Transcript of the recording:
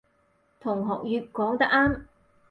同學乙講得啱